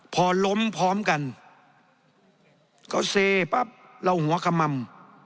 พอล้มพร้อมกันเขาเซปั๊บเราหัวขม่ำ